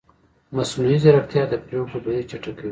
مصنوعي ځیرکتیا د پرېکړو بهیر چټکوي.